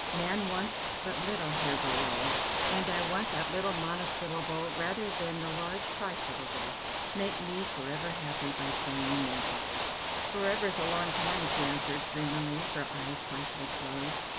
'Man wants but little here below,' and I want that little monosyllable rather than the large trisyllable. Make me for ever happy by saying you meant it." "For ever is a long time," she answered dreamily, her eyes partially closed.